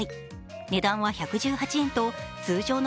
値段は１１８円と通常の